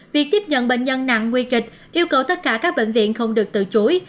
việc tiếp nhận bệnh nhân nặng nguy kịch yêu cầu tất cả các bệnh viện không được từ chối